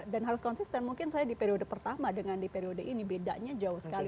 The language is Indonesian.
dan harus konsisten mungkin saya di periode pertama dengan di periode ini bedanya jauh sekali